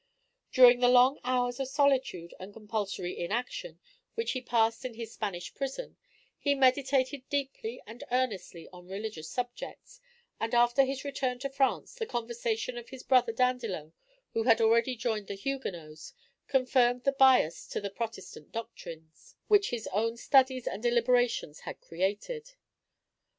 During the long hours of solitude and compulsory inaction which he passed in his Spanish prison, he meditated deeply and earnestly on religious subjects; and after his return to France, the conversation of his brother Dandelot, who had already joined the Huguenots, confirmed the bias to the Protestant doctrines, which his own studies and deliberations had created.